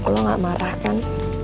lo gak marah kan